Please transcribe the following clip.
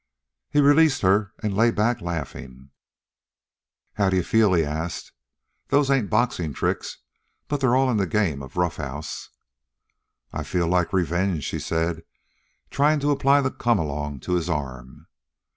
He released her and lay back laughing. "How d'ye feel?" he asked. "Those ain't boxin' tricks, but they're all in the game of a roughhouse." "I feel like revenge," she said, trying to apply the "come along" to his arm.